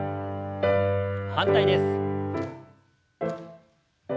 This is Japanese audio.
反対です。